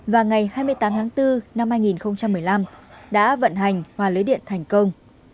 và ngày hai mươi tám tháng bốn năm hai nghìn một mươi năm đã vận hành hòa lưới điện thành công